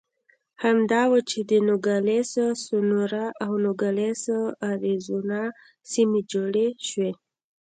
همدا و چې د نوګالس سونورا او نوګالس اریزونا سیمې جوړې شوې.